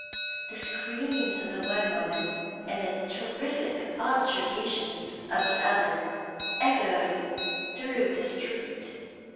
The screams of the one woman, and the terrific objurgations of the other, echoed through the street.